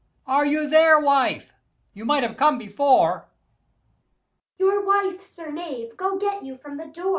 _ Are you, there, wife? you might have come before. Adr. [Within] Your wife, sir knave! go get you from the door.